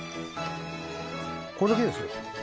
これだけですよ。